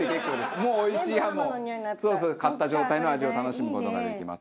もうおいしいハムを買った状態の味を楽しむ事ができます。